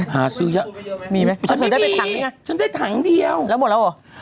หาซื้อเยอะมีไหมฉันได้ทั้งเดียวแล้วหมดแล้วเหรอ